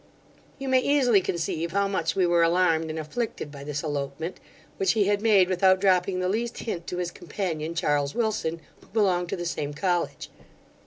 'You may easily conceive how much we were alarmed and afflicted by this elopement, which he had made without dropping the least hint to his companion Charles Wilson, who belonged to the same college.